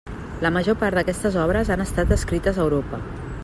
La major part d'aquestes obres han estat escrites a Europa.